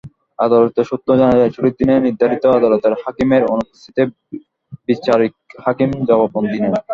আদালত সূত্র জানায়, ছুটির দিনে নির্ধারিত আদালতের হাকিমের অনুপস্থিতিতে বিচারিক হাকিম জবানবন্দি নেন।